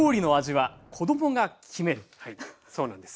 はいそうなんです。